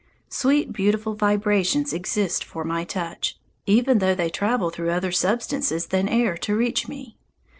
Sweet, beautiful vibrations exist for my touch, even though they travel through other substances than air to reach me.